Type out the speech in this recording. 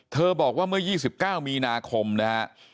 บอกว่าเมื่อ๒๙มีนาคมนะฮะ